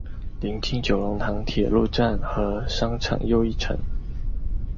邻近九龙塘铁路站和商场又一城。